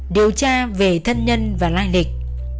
điều tra về thân nhân và lai lịch